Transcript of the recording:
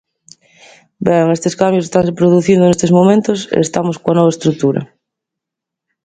Ben, estes cambios estanse producindo nestes momentos e estamos coa nova estrutura.